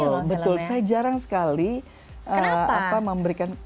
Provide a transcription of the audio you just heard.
betul betul saya jarang sekali memberikan